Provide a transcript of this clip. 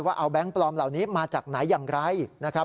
ว่าเอาแก๊งปลอมเหล่านี้มาจากไหนอย่างไรนะครับ